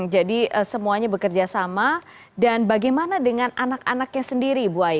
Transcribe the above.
jadi semuanya bekerja sama dan bagaimana dengan anak anaknya sendiri bu wai